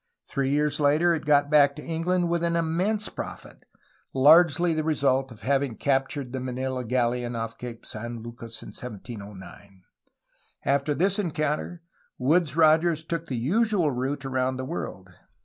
Three years later it got back to England with an immense profit, largely the result of having cap tured the Manila galleon off Cape San Lucas in 1709. After this encounter Woodes Rogers took the usual route around the world.